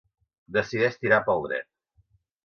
Decideix tirar pel dret.